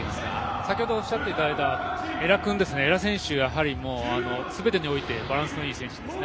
先程おっしゃっていただいた江良選手は、すべてにおいてバランスのいい選手ですね。